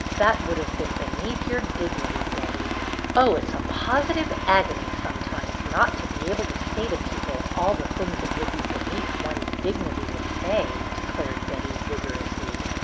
" That would have been beneath your dignity, Betty." " Oh, it 's a positive agony sometimes not to be able to say to people all the things it would be ' beneath one's dignity ' to say," declared Betty, vigorously.